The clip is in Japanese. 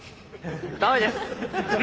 ダメです！